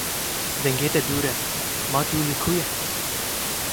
Dengê te dûr tê, ma tu li ku yî?